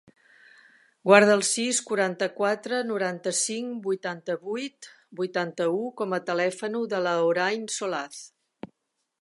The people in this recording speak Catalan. Guarda el sis, quaranta-quatre, noranta-cinc, vuitanta-vuit, vuitanta-u com a telèfon de la Hoorain Solaz.